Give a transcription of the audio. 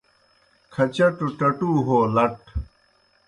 کھچٹوْ ٹٹو ہو لٹ